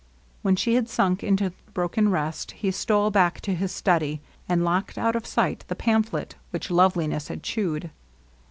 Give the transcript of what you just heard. When she had sunk into broken rest he stole back to his study, and locked out of sight the pamphlet which Loveliness had chewed.